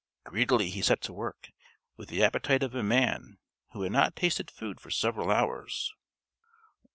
Greedily he set to work, with the appetite of a man who had not tasted food for several hours....